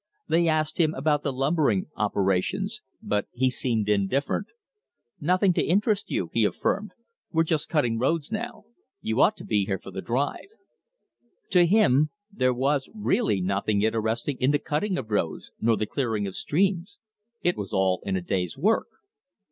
They asked him about the lumbering operations, but he seemed indifferent. "Nothing to interest you," he affirmed. "We're just cutting roads now. You ought to be here for the drive." To him there was really nothing interesting in the cutting of roads nor the clearing of streams. It was all in a day's work.